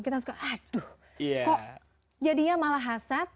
kita suka aduh kok jadinya malah hasad